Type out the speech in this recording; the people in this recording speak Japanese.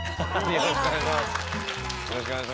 よろしくお願いします。